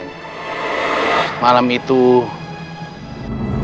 kenapa ibu kau membunuh wabah kau